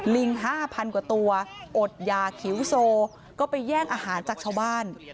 ลิง๕๐๐กว่าตัวอดยาขิวโซก็ไปแย่งอาหารจากชาวบ้าน